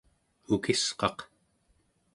ukisqaq